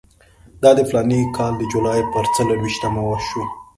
دا د فلاني کال د جولای پر څلېرویشتمه وشو.